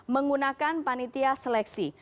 menggunakan panitia seleksi